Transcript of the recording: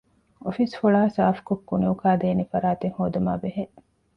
އޮފީސް ފޮޅާ ސާފުކޮށް ކުނިއުކާދޭނެ ފަރާތެއް ހޯދުމާބެހޭ